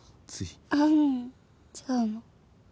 あううん違うの。